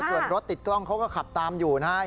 ส่วนรถติดกล้องเขาก็ขับตามอยู่นะครับ